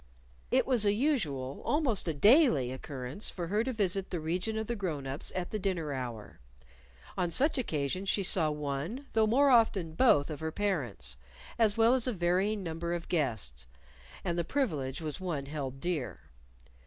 It was a usual almost a daily occurrence for her to visit the region of the grown ups at the dinner hour. On such occasions she saw one, though more often both, of her parents as well as a varying number of guests. And the privilege was one held dear.